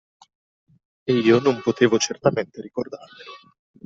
E io non potevo certamente ricordarmelo.